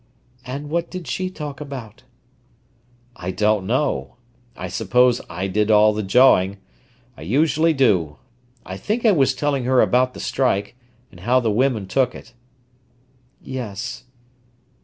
"And what did she talk about?" "I don't know. I suppose I did all the jawing—I usually do. I think I was telling her about the strike, and how the women took it." "Yes."